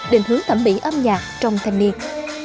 đình hướng tẩm mỹ âm nhạc trong thành niên